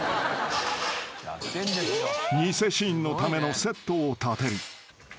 ［偽シーンのためのセットを建てる］